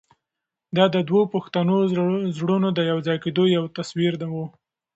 دا د دوو پښتنو زړونو د یو ځای کېدو یو تصویر و.